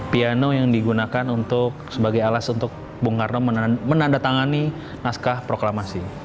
piano yang digunakan untuk sebagai alas untuk bung karno menandatangani naskah proklamasi